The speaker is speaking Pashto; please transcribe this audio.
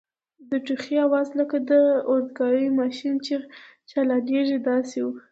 د ټوخي آواز لکه د اورګاډي ماشین چي چالانیږي داسې و.